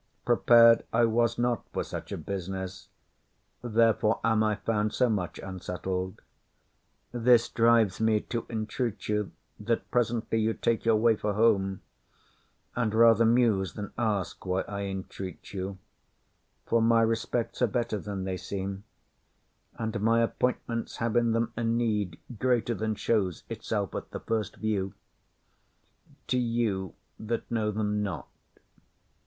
Prepared I was not For such a business; therefore am I found So much unsettled: this drives me to entreat you; That presently you take your way for home, And rather muse than ask why I entreat you: For my respects are better than they seem; And my appointments have in them a need Greater than shows itself at the first view To you that know them not.